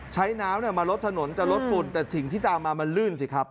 ใช้น้ำมาลดถนนจะลดฝุ่นแต่สิ่งที่ตามมามันลื่นสิครับ